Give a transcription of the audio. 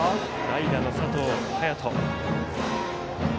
代打の佐藤颯人。